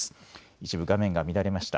一部画面が乱れました。